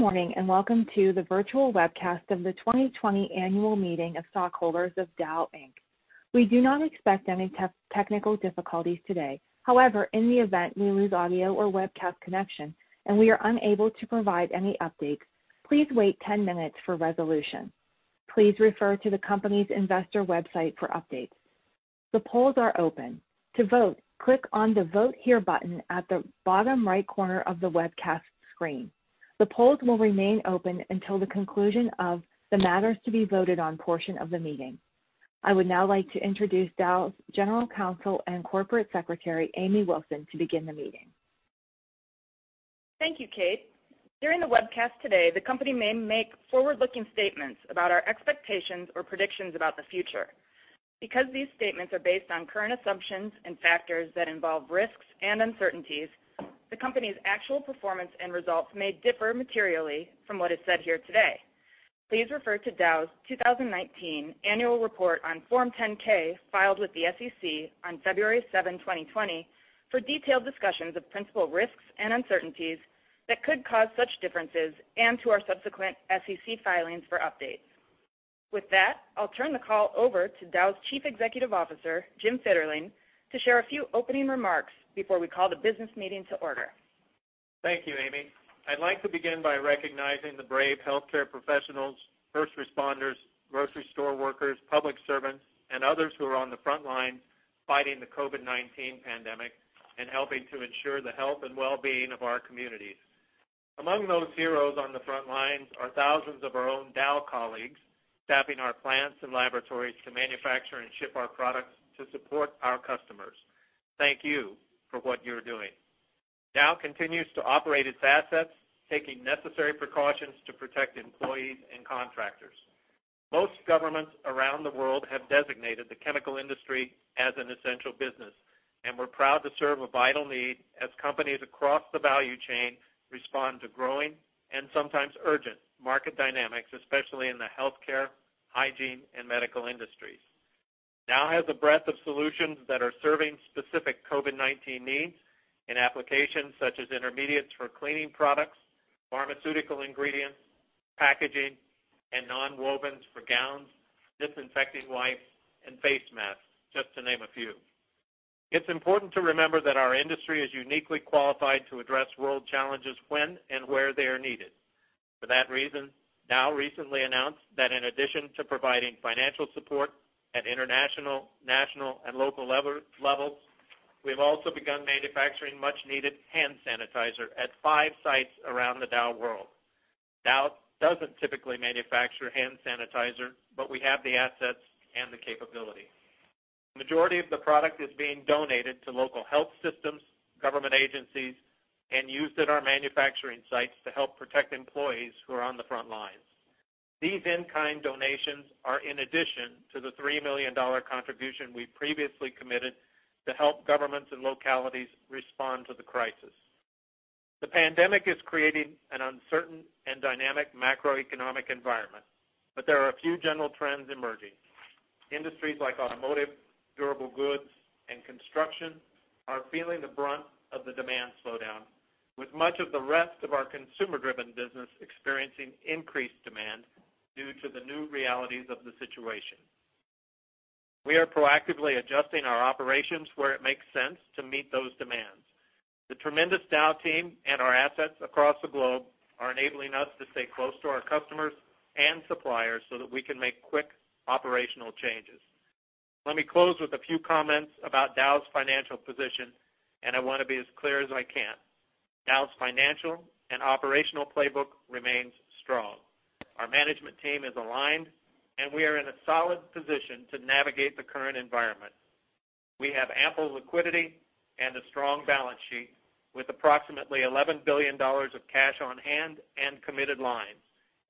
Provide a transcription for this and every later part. Good morning, and welcome to the virtual webcast of the 2020 annual meeting of stockholders of Dow Inc. We do not expect any technical difficulties today. However, in the event we lose audio or webcast connection and we are unable to provide any updates, please wait 10 minutes for resolution. Please refer to the company's investor website for updates. The polls are open. To vote, click on the Vote Here button at the bottom right corner of the webcast screen. The polls will remain open until the conclusion of the matters to be voted on portion of the meeting. I would now like to introduce Dow's General Counsel and Corporate Secretary, Amy Wilson, to begin the meeting. Thank you, Kate. During the webcast today, the company may make forward-looking statements about our expectations or predictions about the future. Because these statements are based on current assumptions and factors that involve risks and uncertainties, the company's actual performance and results may differ materially from what is said here today. Please refer to Dow's 2019 annual report on Form 10-K, filed with the SEC on February 7, 2020, for detailed discussions of principal risks and uncertainties that could cause such differences and to our subsequent SEC filings for updates. With that, I'll turn the call over to Dow's Chief Executive Officer, Jim Fitterling, to share a few opening remarks before we call the business meeting to order. Thank you, Amy. I'd like to begin by recognizing the brave healthcare professionals, first responders, grocery store workers, public servants, and others who are on the front lines fighting the COVID-19 pandemic and helping to ensure the health and wellbeing of our communities. Among those heroes on the front lines are thousands of our own Dow colleagues staffing our plants and laboratories to manufacture and ship our products to support our customers. Thank you for what you're doing. Dow continues to operate its assets, taking necessary precautions to protect employees and contractors. Most governments around the world have designated the chemical industry as an essential business, and we're proud to serve a vital need as companies across the value chain respond to growing and sometimes urgent market dynamics, especially in the healthcare, hygiene, and medical industries. Dow has a breadth of solutions that are serving specific COVID-19 needs in applications such as intermediates for cleaning products, pharmaceutical ingredients, packaging, and nonwovens for gowns, disinfecting wipes, and face masks, just to name a few. It's important to remember that our industry is uniquely qualified to address world challenges when and where they are needed. For that reason, Dow recently announced that in addition to providing financial support at international, national, and local levels, we've also begun manufacturing much-needed hand sanitizer at five sites around the Dow world. Dow doesn't typically manufacture hand sanitizer, but we have the assets and the capability. Majority of the product is being donated to local health systems, government agencies, and used at our manufacturing sites to help protect employees who are on the front lines. These in-kind donations are in addition to the $3 million contribution we previously committed to help governments and localities respond to the crisis. The pandemic is creating an uncertain and dynamic macroeconomic environment. There are a few general trends emerging. Industries like automotive, durable goods, and construction are feeling the brunt of the demand slowdown, with much of the rest of our consumer-driven business experiencing increased demand due to the new realities of the situation. We are proactively adjusting our operations where it makes sense to meet those demands. The tremendous Dow team and our assets across the globe are enabling us to stay close to our customers and suppliers so that we can make quick operational changes. Let me close with a few comments about Dow's financial position. I want to be as clear as I can. Dow's financial and operational playbook remains strong. Our management team is aligned, and we are in a solid position to navigate the current environment. We have ample liquidity and a strong balance sheet with approximately $11 billion of cash on hand and committed lines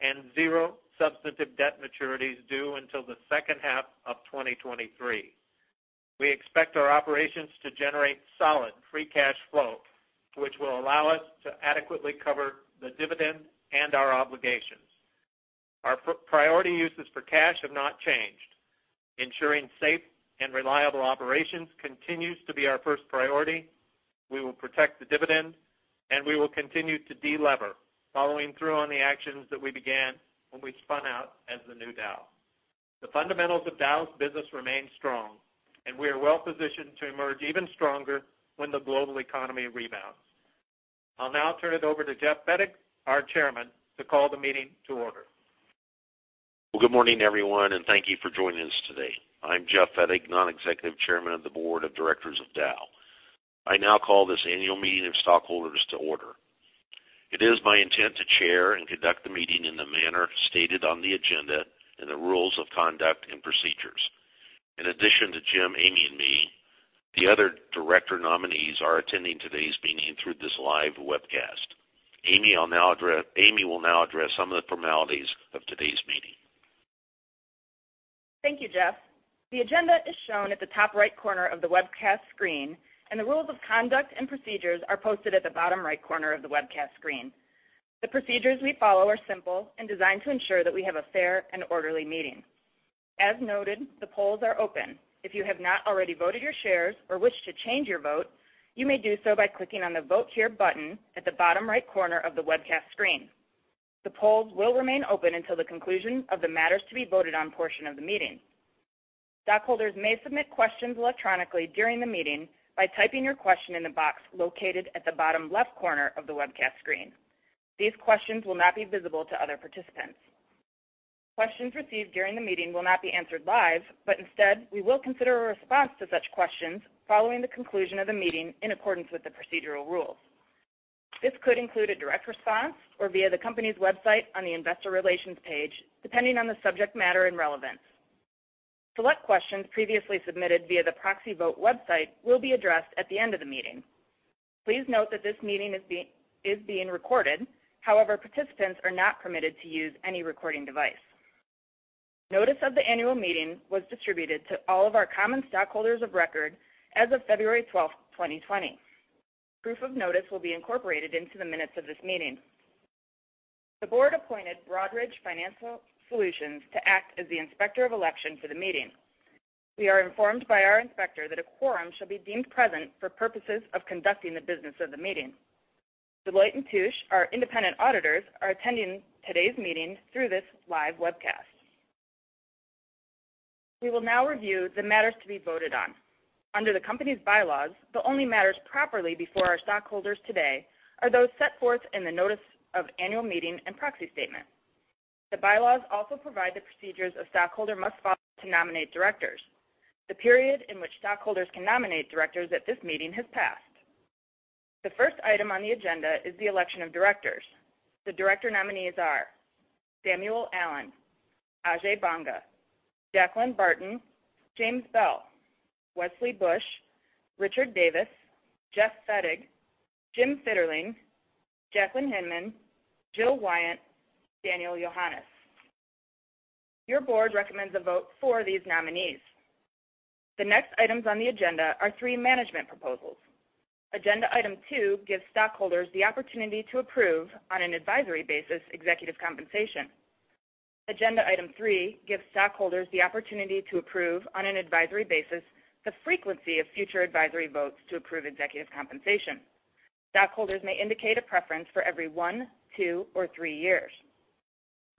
and zero substantive debt maturities due until the second half of 2023. We expect our operations to generate solid free cash flow, which will allow us to adequately cover the dividend and our obligations. Our priority uses for cash have not changed. Ensuring safe and reliable operations continues to be our first priority. We will protect the dividend, and we will continue to de-lever, following through on the actions that we began when we spun out as the new Dow. The fundamentals of Dow's business remain strong, and we are well-positioned to emerge even stronger when the global economy rebounds. I'll now turn it over to Jeff Fettig, our Chairman, to call the meeting to order. Well, good morning, everyone, and thank you for joining us today. I'm Jeff Fettig, Non-Executive Chairman of the Board of Directors of Dow. I now call this annual meeting of stockholders to order. It is my intent to chair and conduct the meeting in the manner stated on the agenda and the rules of conduct and procedures. In addition to Jim, Amy, and me, the other director nominees are attending today's meeting through this live webcast. Amy will now address some of the formalities of today's meeting. Thank you, Jeff. The agenda is shown at the top right corner of the webcast screen, and the rules of conduct and procedures are posted at the bottom right corner of the webcast screen. The procedures we follow are simple and designed to ensure that we have a fair and orderly meeting. As noted, the polls are open. If you have not already voted your shares or wish to change your vote, you may do so by clicking on the Vote Here button at the bottom right corner of the webcast screen. The polls will remain open until the conclusion of the matters to be voted on portion of the meeting. Stockholders may submit questions electronically during the meeting by typing your question in the box located at the bottom left corner of the webcast screen. These questions will not be visible to other participants. Questions received during the meeting will not be answered live, but instead, we will consider a response to such questions following the conclusion of the meeting in accordance with the procedural rules. This could include a direct response or via the company's website on the investor relations page, depending on the subject matter and relevance. Select questions previously submitted via the proxy vote website will be addressed at the end of the meeting. Please note that this meeting is being recorded. However, participants are not permitted to use any recording device. Notice of the annual meeting was distributed to all of our common stockholders of record as of February 12, 2020. Proof of notice will be incorporated into the minutes of this meeting. The board appointed Broadridge Financial Solutions to act as the inspector of election for the meeting. We are informed by our inspector that a quorum shall be deemed present for purposes of conducting the business of the meeting. Deloitte & Touche, our independent auditors, are attending today's meeting through this live webcast. We will now review the matters to be voted on. Under the company's bylaws, the only matters properly before our stockholders today are those set forth in the notice of annual meeting and proxy statement. The bylaws also provide the procedures a stockholder must follow to nominate directors. The period in which stockholders can nominate directors at this meeting has passed. The first item on the agenda is the election of directors. The director nominees are Samuel Allen, Ajay Banga, Jacqueline Barton, James Bell, Wesley Bush, Richard Davis, Jeff Fettig, Jim Fitterling, Jacqueline Hinman, Jill Wyant, Daniel Yohannes. Your board recommends a vote for these nominees. The next items on the agenda are three management proposals. Agenda item 2 gives stockholders the opportunity to approve, on an advisory basis, executive compensation. Agenda item 3 gives stockholders the opportunity to approve, on an advisory basis, the frequency of future advisory votes to approve executive compensation. Stockholders may indicate a preference for every one, two, or three years.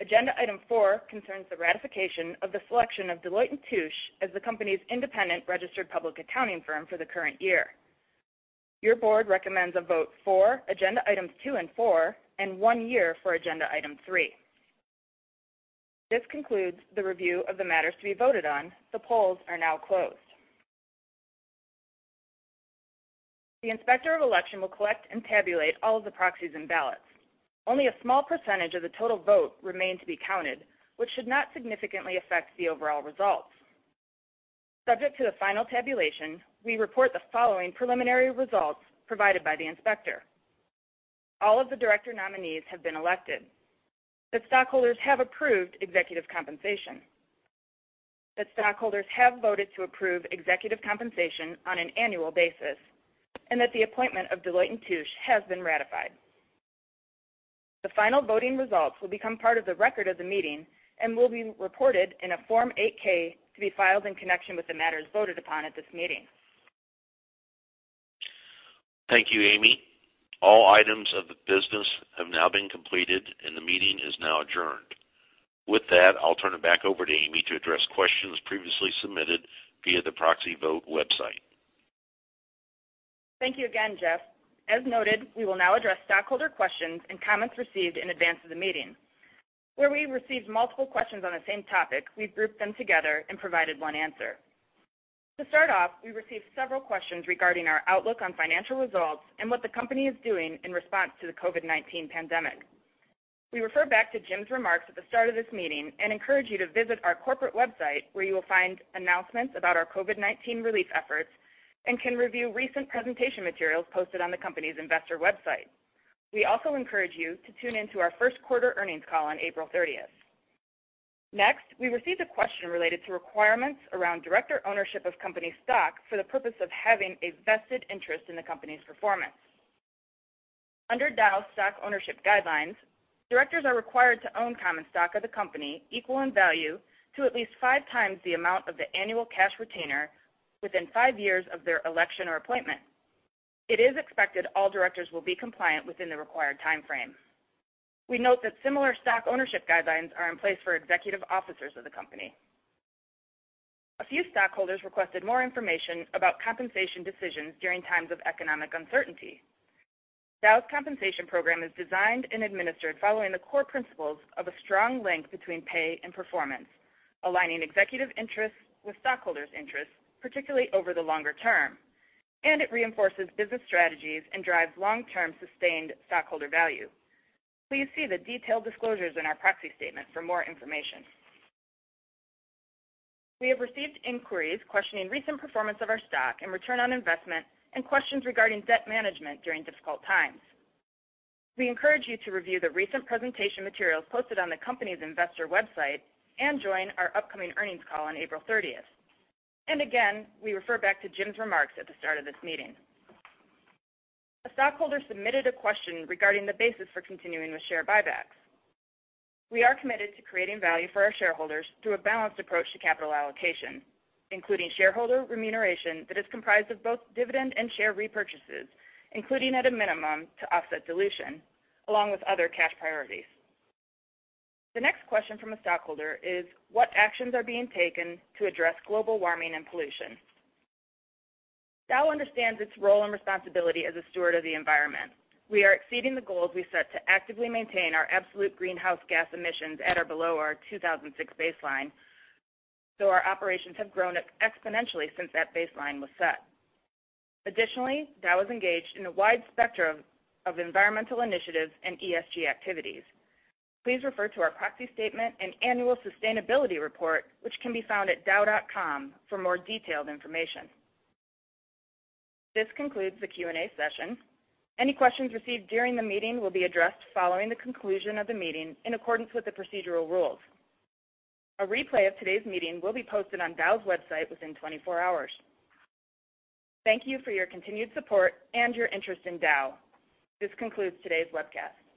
Agenda item 4 concerns the ratification of the selection of Deloitte & Touche as the company's independent registered public accounting firm for the current year. Your board recommends a vote for agenda items 2 and 4, and one year for agenda item 3. This concludes the review of the matters to be voted on. The polls are now closed. The inspector of election will collect and tabulate all of the proxies and ballots. Only a small percentage of the total vote remain to be counted, which should not significantly affect the overall results. Subject to the final tabulation, we report the following preliminary results provided by the inspector. All of the director nominees have been elected. The stockholders have approved executive compensation. The stockholders have voted to approve executive compensation on an annual basis, and that the appointment of Deloitte & Touche has been ratified. The final voting results will become part of the record of the meeting and will be reported in a Form 8-K to be filed in connection with the matters voted upon at this meeting. Thank you, Amy. All items of the business have now been completed and the meeting is now adjourned. With that, I'll turn it back over to Amy to address questions previously submitted via the proxy vote website. Thank you again, Jeff. As noted, we will now address stockholder questions and comments received in advance of the meeting. Where we received multiple questions on the same topic, we've grouped them together and provided one answer. To start off, we received several questions regarding our outlook on financial results and what the company is doing in response to the COVID-19 pandemic. We refer back to Jim's remarks at the start of this meeting and encourage you to visit our corporate website where you will find announcements about our COVID-19 relief efforts and can review recent presentation materials posted on the company's investor website. We also encourage you to tune in to our first quarter earnings call on April 30th. Next, we received a question related to requirements around director ownership of company stock for the purpose of having a vested interest in the company's performance. Under Dow's stock ownership guidelines, directors are required to own common stock of the company equal in value to at least five times the amount of the annual cash retainer within five years of their election or appointment. It is expected all directors will be compliant within the required timeframe. We note that similar stock ownership guidelines are in place for executive officers of the company. A few stockholders requested more information about compensation decisions during times of economic uncertainty. Dow's compensation program is designed and administered following the core principles of a strong link between pay and performance, aligning executive interests with stockholders' interests, particularly over the longer term, and it reinforces business strategies and drives long-term sustained stockholder value. Please see the detailed disclosures in our proxy statement for more information. We have received inquiries questioning recent performance of our stock and return on investment and questions regarding debt management during difficult times. We encourage you to review the recent presentation materials posted on the company's investor website and join our upcoming earnings call on April 30th. Again, we refer back to Jim's remarks at the start of this meeting. A stockholder submitted a question regarding the basis for continuing with share buybacks. We are committed to creating value for our shareholders through a balanced approach to capital allocation, including shareholder remuneration that is comprised of both dividend and share repurchases, including at a minimum to offset dilution, along with other cash priorities. The next question from a stockholder is, "What actions are being taken to address global warming and pollution?" Dow understands its role and responsibility as a steward of the environment. We are exceeding the goals we set to actively maintain our absolute greenhouse gas emissions at or below our 2006 baseline, so our operations have grown exponentially since that baseline was set. Additionally, Dow is engaged in a wide spectrum of environmental initiatives and ESG activities. Please refer to our proxy statement and annual sustainability report, which can be found at dow.com for more detailed information. This concludes the Q&A session. Any questions received during the meeting will be addressed following the conclusion of the meeting in accordance with the procedural rules. A replay of today's meeting will be posted on Dow's website within 24 hours. Thank you for your continued support and your interest in Dow. This concludes today's webcast.